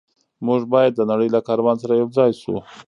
موږ باید د نړۍ له کاروان سره یوځای شو.